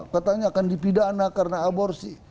katanya akan dipidana karena aborsi